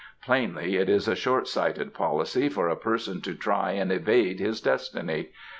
Plainly it is a short sighted policy for a person to try and evade his destiny.